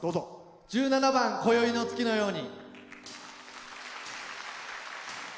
１７番「今宵の月のように」。